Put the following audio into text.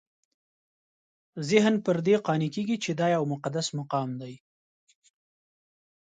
ذهن پر دې قانع کېږي چې دا یو مقدس مقام دی.